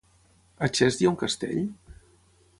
A Xest hi ha un castell?